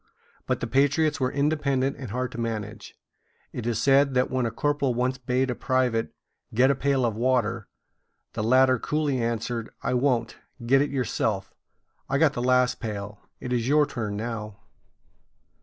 But the patriots were independent and hard to manage. It is said that when a corporal once bade a private get a pail of water, the latter coolly answered: "I won't. Get it yourself. I got the last pail; it is your turn now."